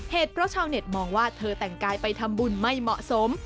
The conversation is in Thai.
เหตุเพราะชาวเน็ตมองว่าเธอแต่งกายไปทำบุญไม่เหมาะสม